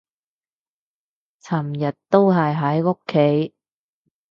尋日都係喺屋企